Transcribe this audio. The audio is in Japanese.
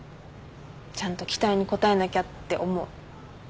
ちゃんと期待に応えなきゃって思う。